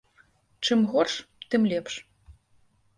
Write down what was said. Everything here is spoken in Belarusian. Чым горш, тым лепш.